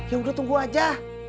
ya udah tunggu aja